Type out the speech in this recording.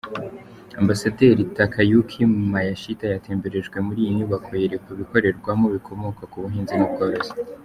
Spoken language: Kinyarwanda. Ambasaderi Takayuki Miyashita yatemberejwe muri iyi nyubako yerekwa ibikorerwamo bikomoka ku buhinzi n'ubworozi.